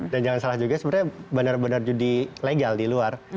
dan jangan salah juga sebenarnya benar benar judi legal di luar